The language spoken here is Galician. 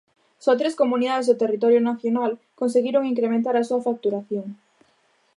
Só tres comunidades do territorio nacional conseguiron incrementar a súa facturación.